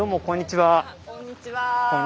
こんにちは。